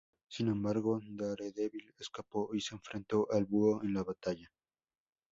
Sin embargo, Daredevil escapó y se enfrentó al búho en la batalla.